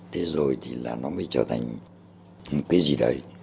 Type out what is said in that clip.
thế rồi thì là nó mới trở thành một cái gì đấy